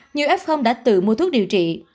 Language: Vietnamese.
nhiều f đã tự mua thuốc điều trị